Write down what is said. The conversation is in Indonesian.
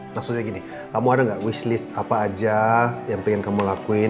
maksudnya gini kamu ada nggak wish list apa saja yang ingin kamu lakukan